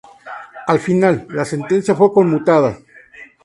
Al final, la sentencia fue conmutada.